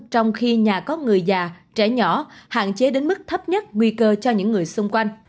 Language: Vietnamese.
trong khi nhà có người già trẻ nhỏ hạn chế đến mức thấp nhất nguy cơ cho những người xung quanh